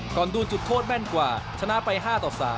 ดวนจุดโทษแม่นกว่าชนะไป๕ต่อ๓